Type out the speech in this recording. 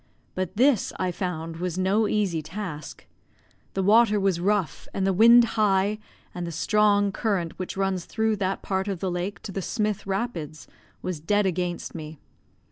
But this I found was no easy task. The water was rough, and the wind high, and the strong current, which runs through that part of the lake to the Smith rapids, was dead against me.